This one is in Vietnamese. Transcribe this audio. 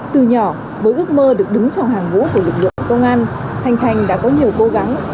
từ nhỏ với ước mơ được đứng trong hàng ngũ của lực lượng công an thanh thành đã có nhiều cố gắng